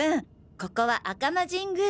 ここは赤間神宮。